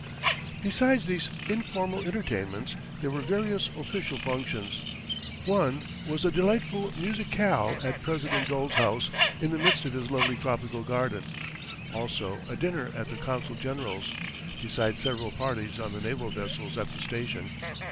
Besides these informal entertainments, there were various official functions. One was a delightful musicale at President Dole's house, in the midst of his lovely tropical garden; also a dinner at the Consul General's, besides several parties on the naval vessels at the station.